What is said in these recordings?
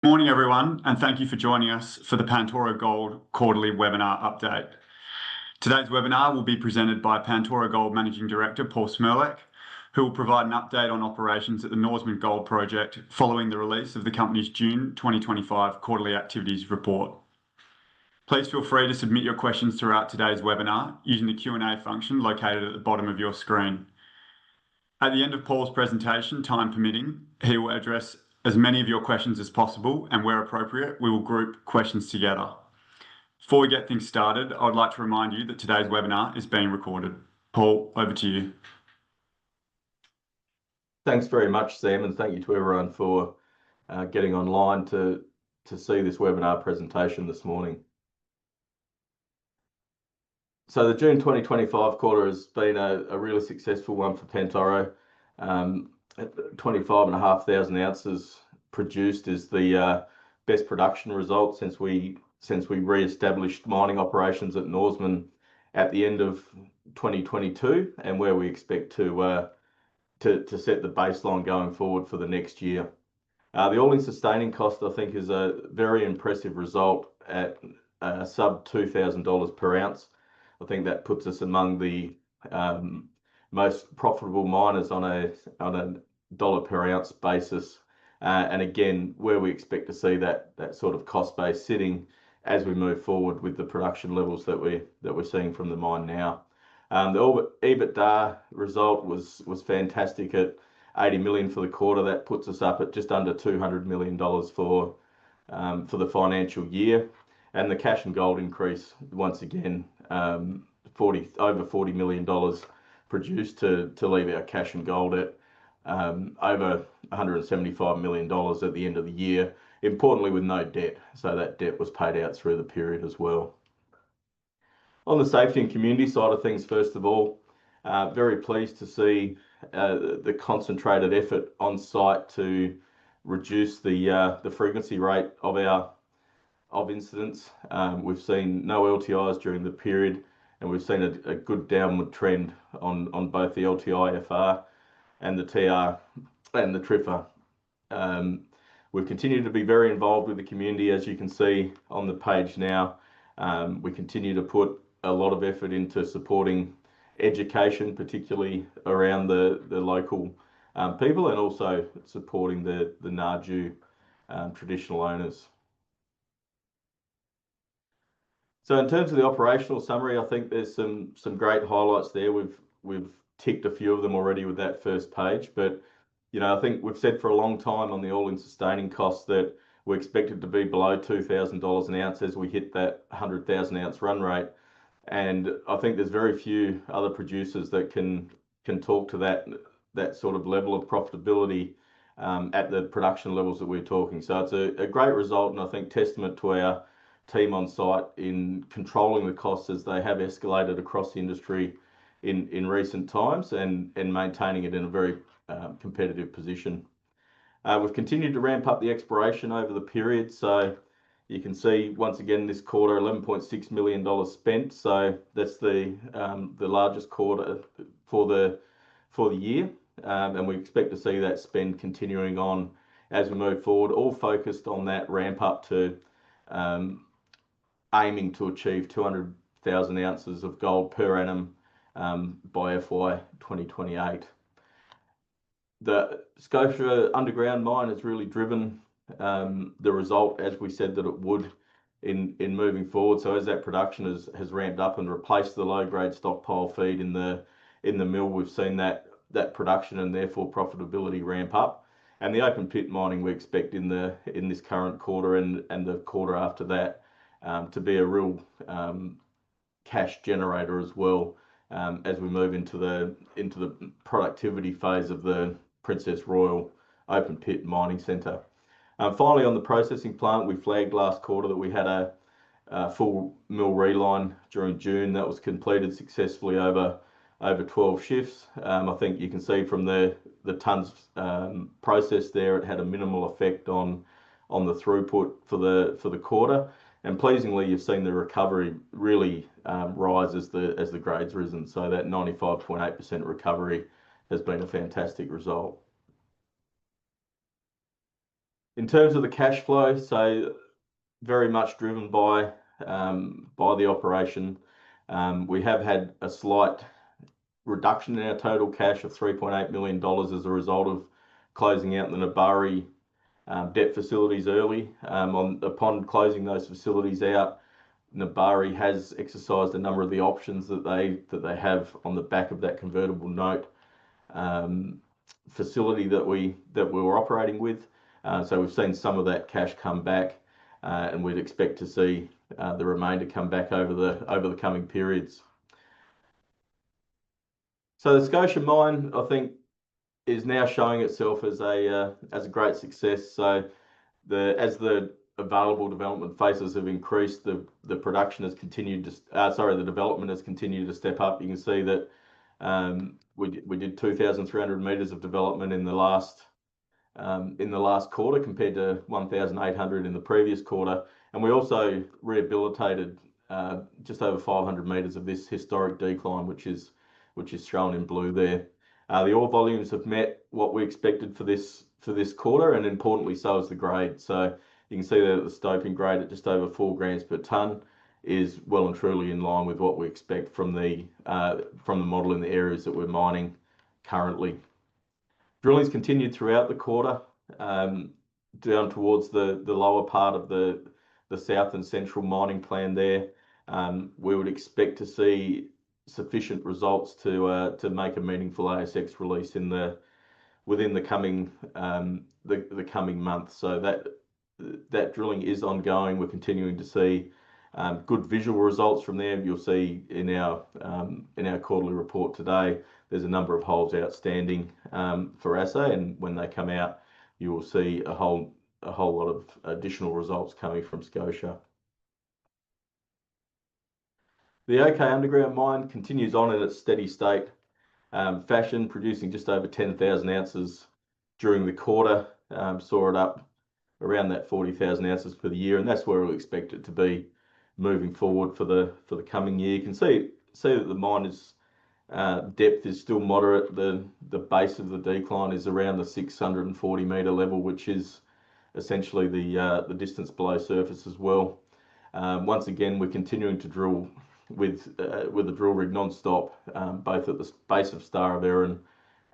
Good morning, everyone, and thank you for joining us for the Pantoro Gold quarterly webinar update. Today's webinar will be presented by Pantoro Gold Managing Director Paul Cmrlec, who will provide an update on operations at the Norseman Gold Project following the release of the company's June 2025 quarterly activities report. Please feel free to submit your questions throughout today's webinar using the Q&A function located at the bottom of your screen. At the end of Paul's presentation, time permitting, he will address as many of your questions as possible, and where appropriate, we will group questions together. Before we get things started, I would like to remind you that today's webinar is being recorded. Paul, over to you. Thanks very much, Sam, and thank you to everyone for getting online to see this webinar presentation this morning. The June 2025 quarter has been a really successful one for Pantoro. 25,500 oz produced is the best production result since we reestablished mining operations at Norseman at the end of 2022 and where we expect to set the baseline going forward for the next year. The all-in sustaining cost, I think, is a very impressive result at sub $2,000 per ounce. I think that puts us among the most profitable miners on a dollar per ounce basis. We expect to see that sort of cost base sitting as we move forward with the production levels that we're seeing from the mine now. The EBITDA result was fantastic at $80 million for the quarter. That puts us up at just under $200 million for the financial year. The cash and gold increase once again, over $40 million produced to leave our cash and gold at over $175 million at the end of the year. Importantly, with no debt, so that debt was paid out through the period as well. On the safety and community side of things, first of all, very pleased to see the concentrated effort on site to reduce the frequency rate of incidents. We've seen no LTIs during the period, and we've seen a good downward trend on both the LTI FR and the TR and the TRIFA. We've continued to be very involved with the community, as you can see on the page now. We continue to put a lot of effort into supporting education, particularly around the local people, and also supporting the Naju traditional owners. In terms of the operational summary, I think there's some great highlights there. We've ticked a few of them already with that first page, but I think we've said for a long time on the all-in sustaining costs that we're expected to be below $2,000 an ounce as we hit that 100,000 oz run rate. I think there's very few other producers that can talk to that sort of level of profitability at the production levels that we're talking. It's a great result, and I think testament to our team on site in controlling the costs as they have escalated across the industry in recent times and maintaining it in a very competitive position. We've continued to ramp up the exploration over the period. You can see once again this quarter, $11.6 million spent. That's the largest quarter for the year. We expect to see that spend continuing on as we move forward, all focused on that ramp up to aiming to achieve 200,000 oz of gold per annum by FY 2028. The scope for underground mine has really driven the result, as we said, that it would in moving forward. As that production has ramped up and replaced the low-grade stockpile feed in the mill, we've seen that production and therefore profitability ramp up. The open pit mining we expect in this current quarter and the quarter after that to be a real cash generator as well as we move into the productivity phase of the Princess Royal open pit mining center. Finally, on the processing plant, we flagged last quarter that we had a full mill reline during June that was completed successfully over 12 shifts. I think you can see from the tonnes processed there, it had a minimal effect on the throughput for the quarter. Pleasingly, you've seen the recovery really rise as the grade's risen. That 95.8% recovery has been a fantastic result. In terms of the cash flow, very much driven by the operation. We have had a slight reduction in our total cash of $3.8 million as a result of closing out the Nebari debt facilities early. Upon closing those facilities out, Nebari has exercised a number of the options that they have on the back of their convertible note facility that we were operating with. We've seen some of that cash come back, and we'd expect to see the remainder come back over the coming periods. The Scotia mine, I think, is now showing itself as a great success. As the available development phases have increased, the development has continued to step up. You can see that we did 2,300 m of development in the last quarter compared to 1,800 m in the previous quarter. We also rehabilitated just over 500 m of this historic decline, which is shown in blue there. The ore volumes have met what we expected for this quarter, and importantly, so has the grade. You can see that the stoking grade at just over 4 grams per tonne is well and truly in line with what we expect from the model in the areas that we're mining currently. Drillings continue throughout the quarter down towards the lower part of the south and central mining plan there. We would expect to see sufficient results to make a meaningful ASX release within the coming month. That drilling is ongoing. We're continuing to see good visual results from there. You'll see in our quarterly report today, there's a number of holes outstanding for assay, and when they come out, you will see a whole lot of additional results coming from Scotia. The OK underground mine continues on in its steady state fashion, producing just over 10,000 oz during the quarter. Saw it up around that 40,000 oz for the year, and that's where we expect it to be moving forward for the coming year. You can see that the mine depth is still moderate. The base of the decline is around the 640 m level, which is essentially the distance below surface as well. Once again, we're continuing to drill with the drill rig non-stop, both at the base of Star of Erin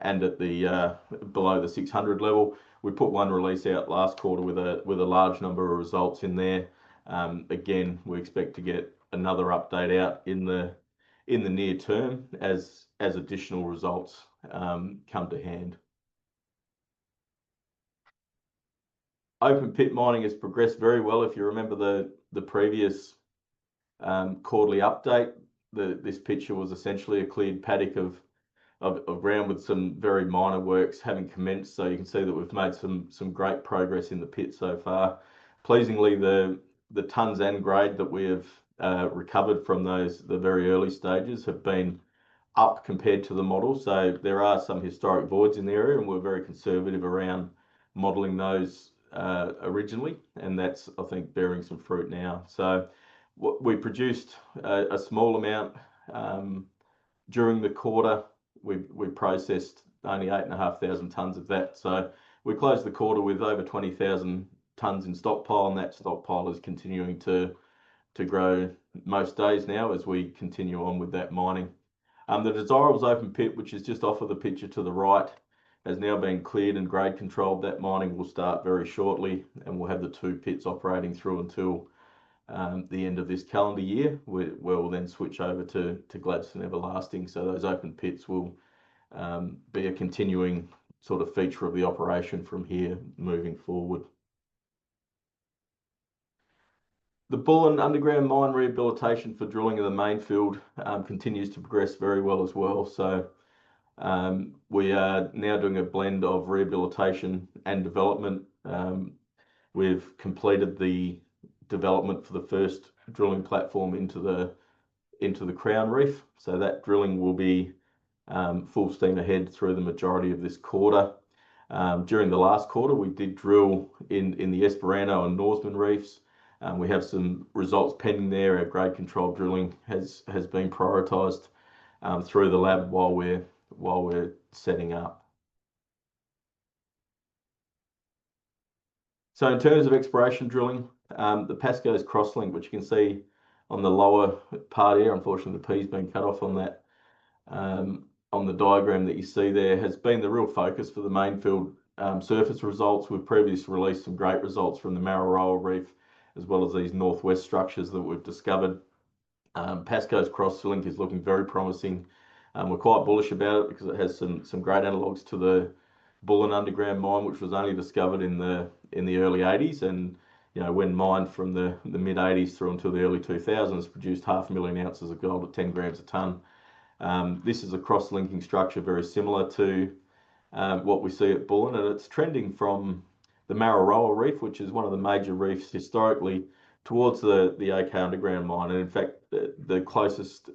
and below the 600 m level. We put one release out last quarter with a large number of results in there. Again, we expect to get another update out in the near term as additional results come to hand. Open pit mining has progressed very well. If you remember the previous quarterly update, this picture was essentially a clean paddock of ground with some very minor works having commenced. You can see that we've made some great progress in the pit so far. Pleasingly, the tons and grade that we have recovered from those very early stages have been up compared to the model. There are some historic voids in the area, and we're very conservative around modeling those originally. That's, I think, bearing some fruit now. We produced a small amount during the quarter. We processed only 8,500 tons of that. We closed the quarter with over 20,000 tons in stockpile, and that stockpile is continuing to grow most days now as we continue on with that mining. The Desdemona Open Pit, which is just off of the picture to the right, has now been cleared and grade controlled. That mining will start very shortly, and we'll have the two pits operating through until the end of this calendar year, where we'll then switch over to Gladstone Everlasting. Those open pits will be a continuing sort of feature of the operation from here moving forward. The Bullen Underground Mine rehabilitation for drilling in the main field continues to progress very well as well. We are now doing a blend of rehabilitation and development. We've completed the development for the first drilling platform into the crown reef. That drilling will be full steam ahead through the majority of this quarter. During the last quarter, we did drill in the Esperano and Norseman reefs. We have some results pending there. Our grade control drilling has been prioritized through the lab while we're setting up. In terms of exploration drilling, the Pasco's Crosslink, which you can see on the lower part here, unfortunately, the P's been cut off on that. On the diagram that you see there has been the real focus for the main field surface results. We've previously released some great results from the Marrow Role reef, as well as these northwest structures that were discovered. Pasco's Crosslink is looking very promising. We're quite bullish about it because it has some great analogues to the Bullen Underground Mine, which was only discovered in the early 1980s. When mined from the mid-1980s through to the early 2000s, it produced half a million ounces of gold at 10 grams a ton. This is a cross-linking structure very similar to what we see at Bullen, and it's trending from the Marrow Role reef, which is one of the major reefs historically, towards the OK Underground Mine. In fact, the closest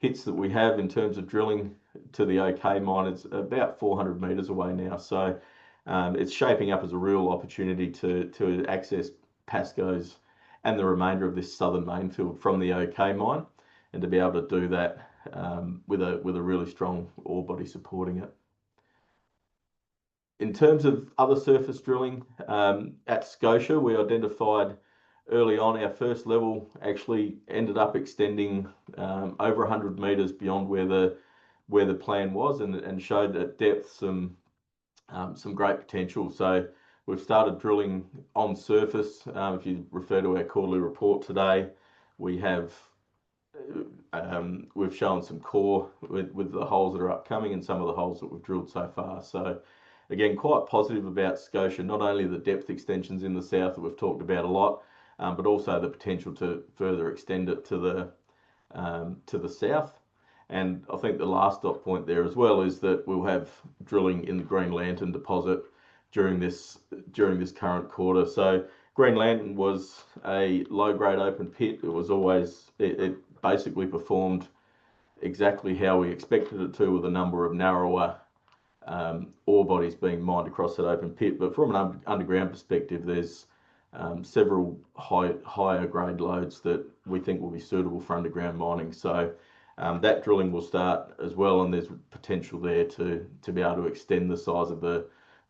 hits that we have in terms of drilling to the OK Mine is about 400 m away now. It's shaping up as a real opportunity to access Pasco's and the remainder of this southern main field from the OK Mine, and to be able to do that with a really strong ore body supporting it. In terms of other surface drilling at Scotia, we identified early on our first level actually ended up extending over 100 m beyond where the plan was and showed that depth some great potential. We've started drilling on surface. If you refer to our quarterly report today, we have shown some core with the holes that are upcoming and some of the holes that we've drilled so far. Again, quite positive about Scotia, not only the depth extensions in the south that we've talked about a lot, but also the potential to further extend it to the south. The last dot point there as well is that we'll have drilling in the Green Lantern deposit during this current quarter. Green Lantern was a low-grade open pit. It basically performed exactly how we expected it to with a number of narrower ore bodies being mined across that open pit. From an underground perspective, there's several higher grade lodes that we think will be suitable for underground mining. That drilling will start as well, and there's potential there to be able to extend the size of the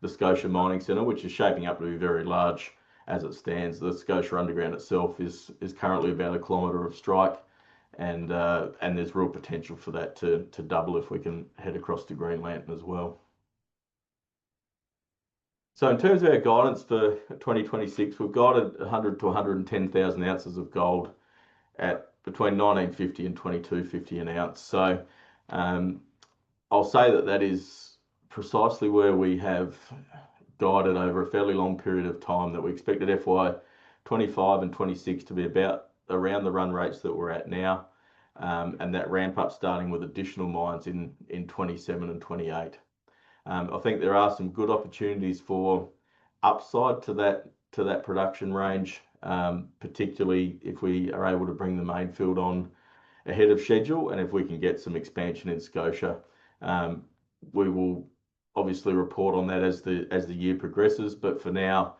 Scotia Mining Centre, which is shaping up to be very large as it stands. The Scotia Underground itself is currently about a kilometer of strike, and there's real potential for that to double if we can head across to Green Lantern as well. In terms of our guidance for 2026, we've guided 100,000 oz-110,000 oz of gold at between $1,950 and $2,250 an ounce. That is precisely where we have guided over a fairly long period of time that we expected FY 2025 and FY 2026 to be about around the run rates that we're at now, with that ramp-up starting with additional mines in 2027 and 2028. I think there are some good opportunities for upside to that production range, particularly if we are able to bring the main field on ahead of schedule. If we can get some expansion in Scotia, we will obviously report on that as the year progresses. For now,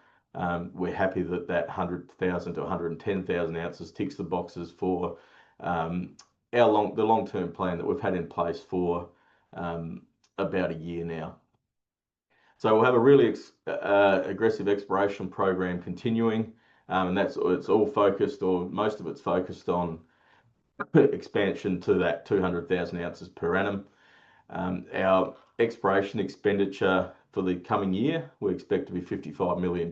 we're happy that that 100,000 oz-110,000 oz ticks the boxes for the long-term plan that we've had in place for about a year now. We'll have a really aggressive exploration program continuing, and it's all focused or most of it's focused on expansion to that 200,000 ounces per annum. Our exploration expenditure for the coming year, we expect to be $55 million.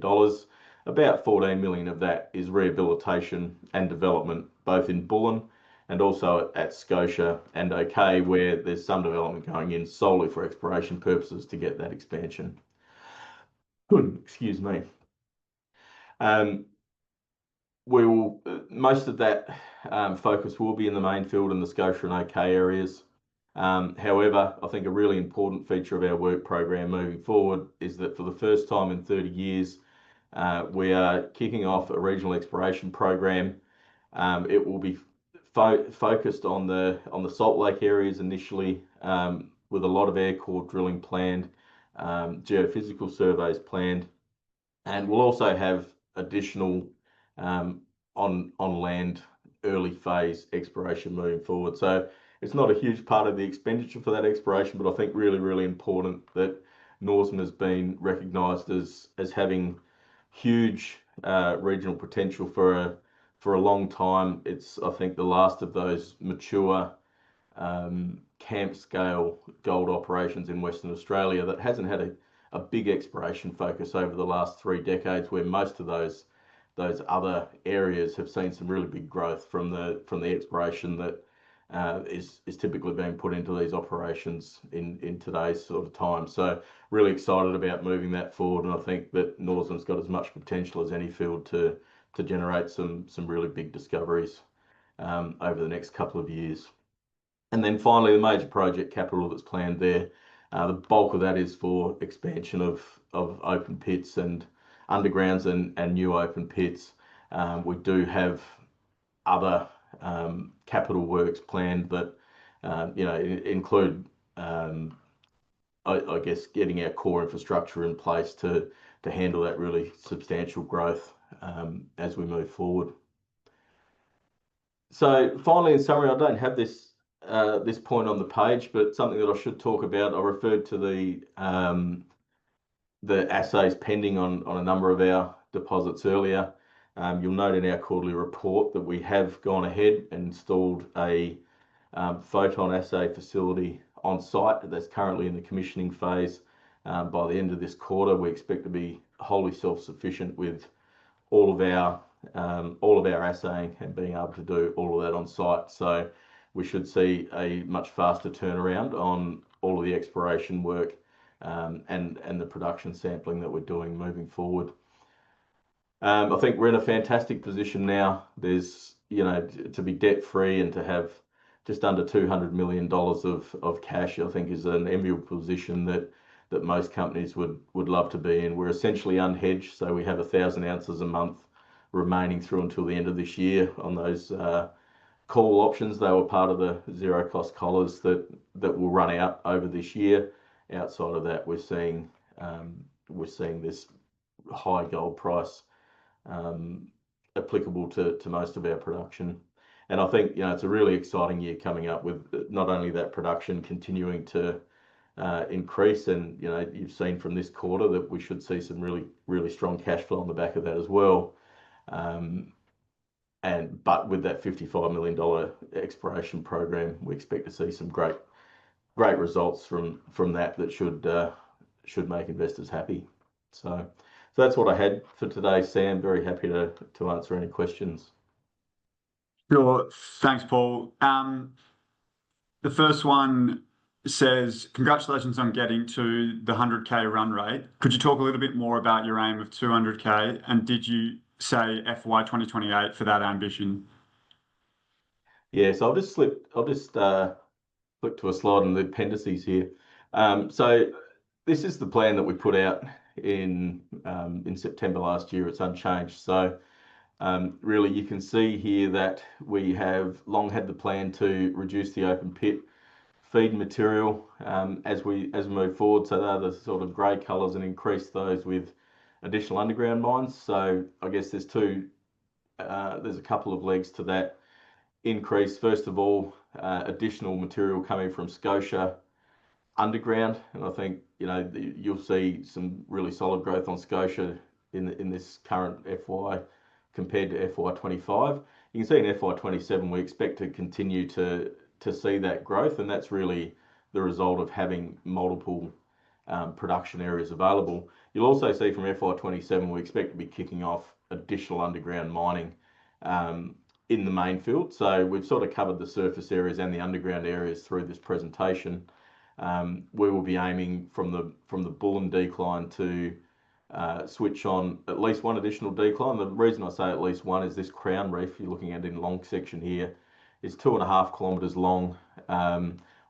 About $14 million of that is rehabilitation and development, both in Bullen and also at Scotia and OK, where there's some development going in solely for exploration purposes to get that expansion. Most of that focus will be in the main field in the Scotia and OK areas. However, I think a really important feature of our work program moving forward is that for the first time in 30 years, we are kicking off a regional exploration program. It will be focused on the Salt Lake areas initially, with a lot of air core drilling planned, geophysical surveys planned. We'll also have additional on-land early phase exploration moving forward. It's not a huge part of the expenditure for that exploration, but I think really, really important that Norseman has been recognized as having huge regional potential for a long time. I think it's the last of those mature camp-scale gold operations in Western Australia that hasn't had a big exploration focus over the last three decades, where most of those other areas have seen some really big growth from the exploration that is typically being put into these operations in today's sort of time. Really excited about moving that forward. I think that Norseman's got as much potential as any field to generate some really big discoveries over the next couple of years. Finally, the major project capital that's planned there, the bulk of that is for expansion of open pits and undergrounds and new open pits. We do have other capital works planned, which include getting our core infrastructure in place to handle that really substantial growth as we move forward. In summary, I don't have this point on the page, but something that I should talk about. I referred to the assays pending on a number of our deposits earlier. You'll note in our quarterly report that we have gone ahead and installed a photon assay facility on site that's currently in the commissioning phase. By the end of this quarter, we expect to be wholly self-sufficient with all of our assay and being able to do all of that on site. We should see a much faster turnaround on all of the exploration work and the production sampling that we're doing moving forward. I think we're in a fantastic position now. To be debt-free and to have just under $200 million of cash, I think is an enviable position that most companies would love to be in. We're essentially unhedged. We have 1,000 ounces a month remaining through until the end of this year on those call options. They were part of the zero cost collars that will run out over this year. Outside of that, we're seeing this high gold price applicable to most of our production. I think it's a really exciting year coming up with not only that production continuing to increase, and you've seen from this quarter that we should see some really, really strong cash flow on the back of that as well. With that $55 million exploration program, we expect to see some great, great results from that that should make investors happy. That's what I had for today, Sam. Very happy to answer any questions. Sure. Thanks, Paul. The first one says, "Congratulations on getting to the $100,000 run rate. Could you talk a little bit more about your aim of $200,000? Did you say FY 2028 for that ambition? Yeah. I'll just flip to a slide in the appendices here. This is the plan that we put out in September last year. It's unchanged. You can see here that we have long had the plan to reduce the open pit feed material as we move forward. Those are the sort of grey colors and increase those with additional underground mines. I guess there's a couple of links to that increase. First of all, additional material coming from Scotia underground. I think you'll see some really solid growth on Scotia in this current FY compared to FY 2025. You can see in FY 2027, we expect to continue to see that growth. That's really the result of having multiple production areas available. You'll also see from FY 2027, we expect to be kicking off additional underground mining in the main field. We've sort of covered the surface areas and the underground areas through this presentation. We will be aiming from the Bullen decline to switch on at least one additional decline. The reason I say at least one is this crown reef you're looking at in the long section here is 2.5 km long.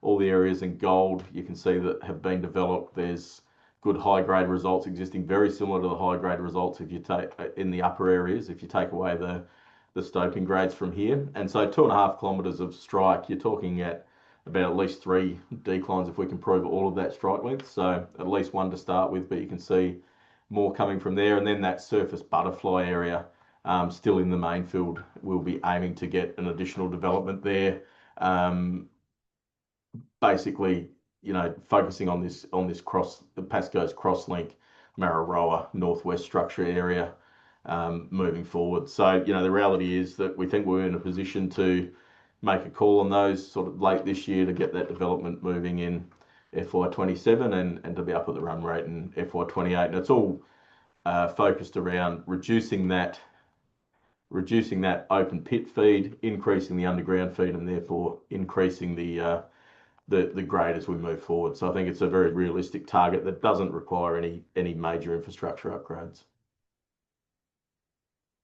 All the areas in gold, you can see that have been developed. There's good high-grade results existing, very similar to the high-grade results if you take in the upper areas if you take away the stope grades from here. 2.5 km of strike, you're talking at about at least three declines if we can probe all of that strike width. At least one to start with, but you can see more coming from there. That surface butterfly area still in the main field, we'll be aiming to get an additional development there. Basically, focusing on this Pasco's Crosslink, Marrow Rowa, northwest structure area moving forward. The reality is that we think we're in a position to make a call on those sort of late this year to get that development moving in FY 2027 and to be up at the run rate in FY 2028. It's all focused around reducing that open pit feed, increasing the underground feed, and therefore increasing the grade as we move forward. I think it's a very realistic target that doesn't require any major infrastructure upgrades.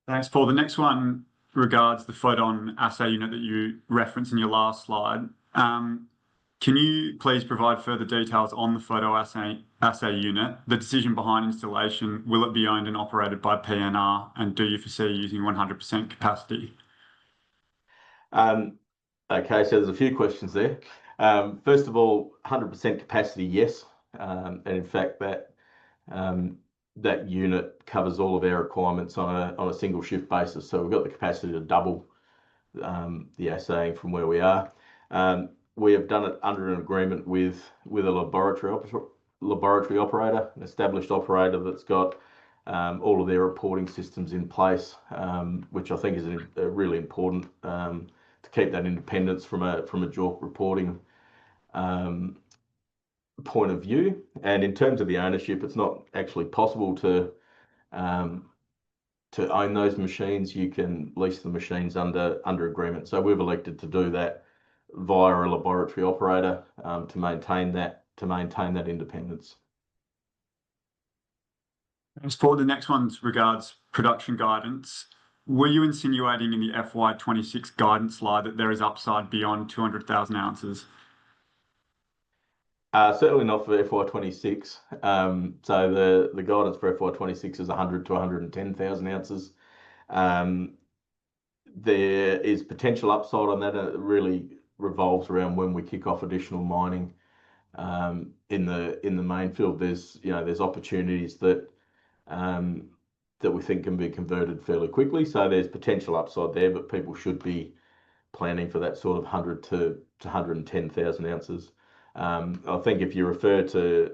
Thanks, Paul. The next one regards the photon assay facility that you referenced in your last slide. Can you please provide further details on the photon assay facility? The decision behind installation, will it be owned and operated by Pantoro, and do you foresee using 100% capacity? Okay. There are a few questions there. First of all, 100% capacity, yes. In fact, that unit covers all of our requirements on a single-shift basis. We've got the capacity to double the assay from where we are. We have done it under an agreement with a laboratory operator, an established operator that's got all of their reporting systems in place, which I think is really important to keep that independence from a JORC reporting point of view. In terms of the ownership, it's not actually possible to own those machines. You can lease the machines under agreement. We've elected to do that via a laboratory operator to maintain that independence. Thanks, Paul. The next one regards production guidance. Were you insinuating in the FY 2026 guidance slide that there is upside beyond 200,000 oz? Certainly not for the FY 2026. The guidance for FY 2026 is 100,000 oz-110,000 oz. There is potential upside on that. It really revolves around when we kick off additional mining in the main field. There are opportunities that we think can be converted fairly quickly. There is potential upside there, but people should be planning for that sort of 100,000 oz-110,000 oz. If you refer to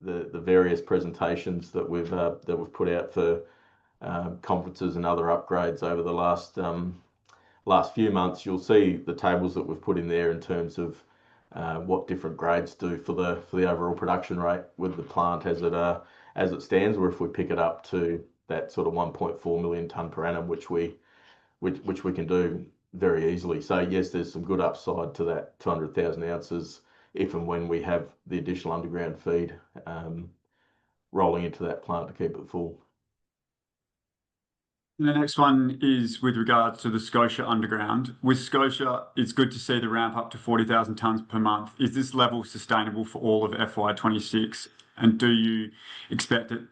the various presentations that we've put out for conferences and other upgrades over the last few months, you'll see the tables that we've put in there in terms of what different grades do for the overall production rate with the plant as it stands, or if we pick it up to that sort of 1.4 million tonnes per annum, which we can do very easily. There is some good upside to that 200,000 oz if and when we have the additional underground feed rolling into that plant to keep it full. With regards to the Scotia underground, it's good to see the ramp-up to 40,000 tons per month. Is this level sustainable for all of FY 2026? Do you expect it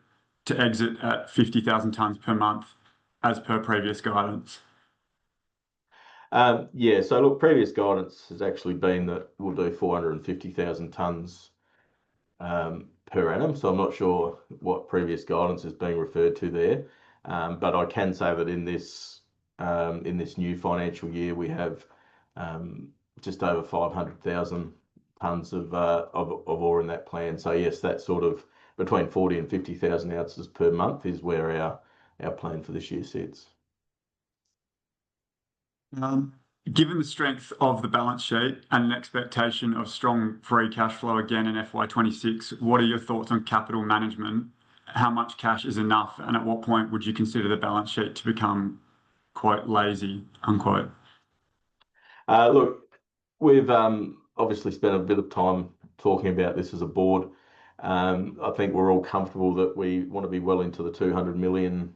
to exit at 50,000 tons per month as per previous guidance? Yeah. Previous guidance has actually been that we'll do 450,000 tons per annum. I'm not sure what previous guidance is being referred to there. I can say that in this new financial year, we have just over 500,000 tons of ore in that plan. Yes, that's sort of between 40,000 oz and 50,000 oz per month is where our plan for this year sits. Given the strength of the balance sheet and an expectation of strong free cash flow again in FY 2026, what are your thoughts on capital management? How much cash is enough, and at what point would you consider the balance sheet to become "lazy"? Look, we've obviously spent a bit of time talking about this as a board. I think we're all comfortable that we want to be well into the $200 million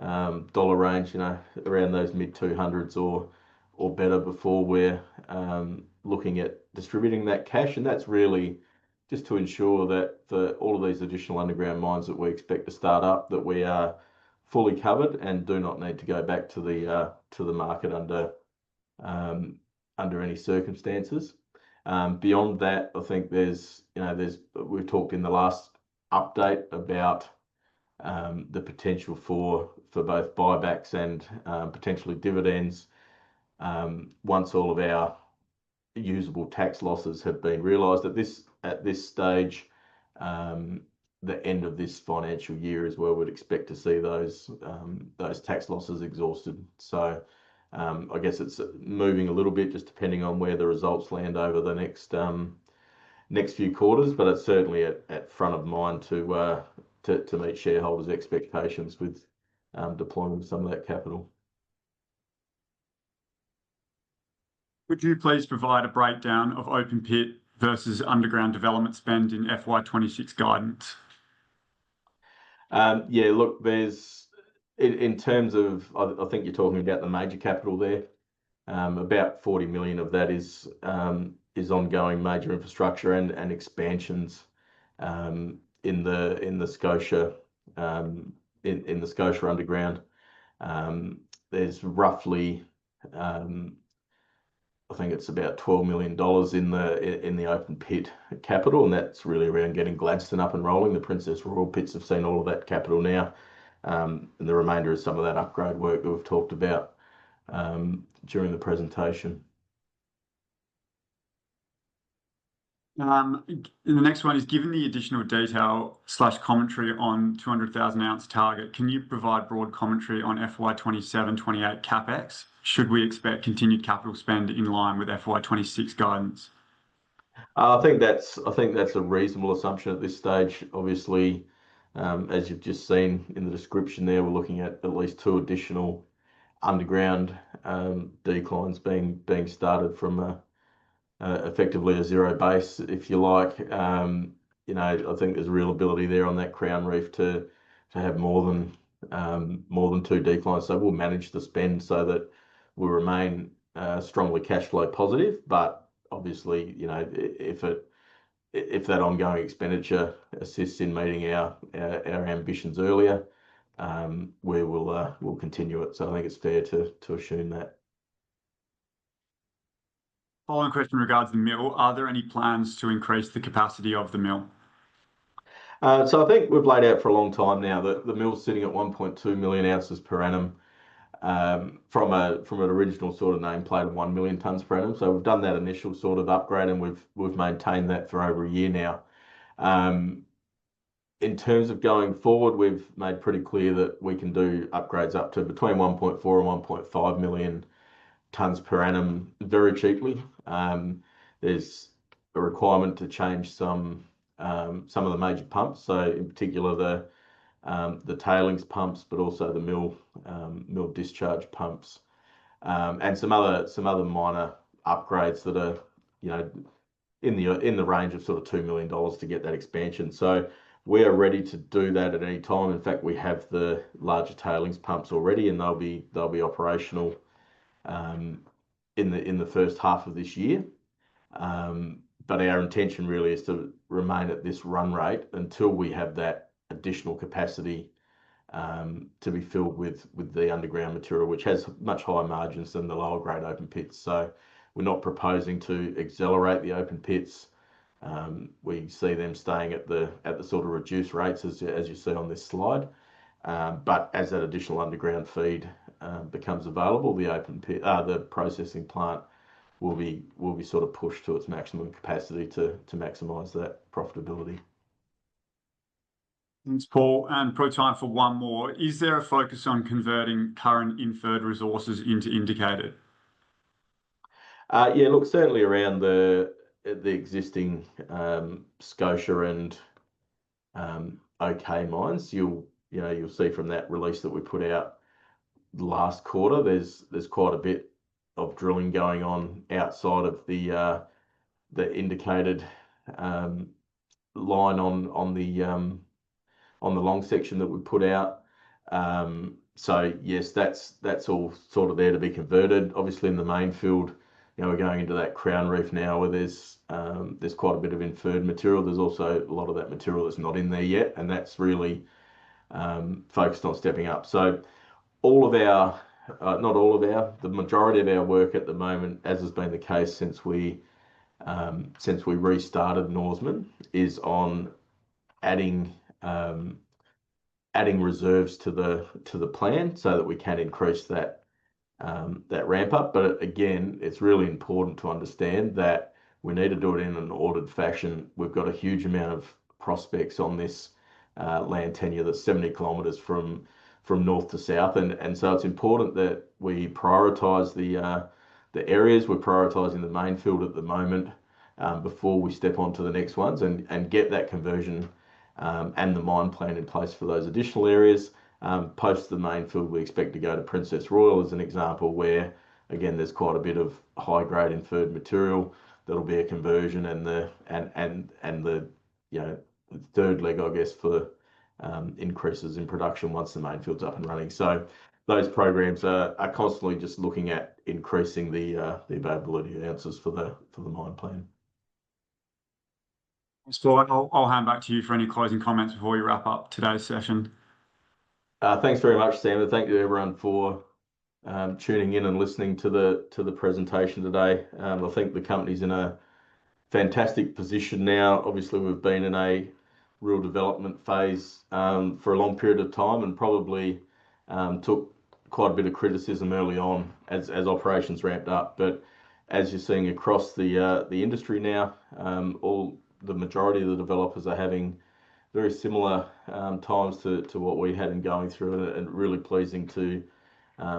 range, you know, around those mid-$200 millions or better before we're looking at distributing that cash. That's really just to ensure that all of these additional underground mines that we expect to start up, that we are fully covered and do not need to go back to the market under any circumstances. Beyond that, we've talked in the last update about the potential for both buybacks and potentially dividends once all of our usable tax losses have been realized. At this stage, the end of this financial year is where we'd expect to see those tax losses exhausted. I guess it's moving a little bit just depending on where the results land over the next few quarters. It's certainly at front of mind to meet shareholders' expectations with deployment of some of that capital. Could you please provide a breakdown of open pit versus underground development spend in FY 2026 guidance? Yeah. Look, in terms of, I think you're talking about the major capital there, about $40 million of that is ongoing major infrastructure and expansions in the Scotia underground. There's roughly, I think it's about $12 million in the open pit capital, and that's really around getting Gladstone up and rolling. The Princess Royal Pits have seen all of that capital now. The remainder is some of that upgrade work that we've talked about during the presentation. Given the additional detail slash commentary on 200,000 oz target, can you provide broad commentary on FY 2027, FY 2028 CapEx? Should we expect continued capital spend in line with FY 2026 guidance? I think that's a reasonable assumption at this stage. Obviously, as you've just seen in the description there, we're looking at at least two additional underground declines being started from effectively a zero base, if you like. I think there's a real ability there on that crown reef to have more than two declines. We'll manage the spend so that we remain strongly cash flow positive. Obviously, if that ongoing expenditure assists in meeting our ambitions earlier, we will continue it. I think it's fair to assume that. Following question in regards to the mill, are there any plans to increase the capacity of the mill? I think we've laid out for a long time now that the mill is sitting at 1.2 million tons per annum from an original sort of nameplate of 1 million tons per annum. We've done that initial sort of upgrade, and we've maintained that for over a year now. In terms of going forward, we've made pretty clear that we can do upgrades up to between 1.4 million and 1.5 million tons per annum very cheaply. There's a requirement to change some of the major pumps, in particular the tailings pumps, but also the mill discharge pumps, and some other minor upgrades that are in the range of $2 million to get that expansion. We are ready to do that at any time. In fact, we have the larger tailings pumps already, and they'll be operational in the first half of this year. Our intention really is to remain at this run rate until we have that additional capacity to be filled with the underground material, which has much higher margins than the lower grade open pits. We're not proposing to accelerate the open pits. We see them staying at the sort of reduced rates, as you see on this slide. As that additional underground feed becomes available, the processing plant will be pushed to its maximum capacity to maximize that profitability. Thanks, Paul. Probably time for one more. Is there a focus on converting current inferred resources into indicated? Yeah. Look, certainly around the existing Scotia and OK mines. You'll see from that release that we put out last quarter, there's quite a bit of drilling going on outside of the indicated line on the long section that we put out. Yes, that's all sort of there to be converted. Obviously, in the main field, we're going into that crown reef now where there's quite a bit of inferred material. There's also a lot of that material that's not in there yet, and that's really focused on stepping up. All of our, not all of our, the majority of our work at the moment, as has been the case since we restarted Norseman, is on adding reserves to the plan so that we can increase that ramp-up. Again, it's really important to understand that we need to do it in an ordered fashion. We've got a huge amount of prospects on this land tenure that's 70 km from north to south. It's important that we prioritize the areas. We're prioritizing the main field at the moment before we step onto the next ones and get that conversion and the mine plan in place for those additional areas. Post the main field, we expect to go to Princess Royal as an example where, again, there's quite a bit of high-grade inferred material. That'll be a conversion and the third leg, I guess, for increases in production once the main field's up and running. Those programs are constantly just looking at increasing the availability of the ounces for the mine plan. Thanks, Paul. I'll hand back to you for any closing comments before you wrap up today's session. Thanks very much, Sam. Thank you, everyone, for tuning in and listening to the presentation today. I think the company's in a fantastic position now. Obviously, we've been in a real development phase for a long period of time and probably took quite a bit of criticism early on as operations ramped up. As you're seeing across the industry now, the majority of the developers are having very similar times to what we had in going through it. It is really pleasing to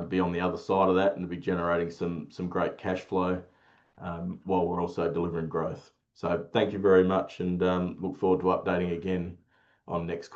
be on the other side of that and to be generating some great cash flow while we're also delivering growth. Thank you very much and look forward to updating again on next.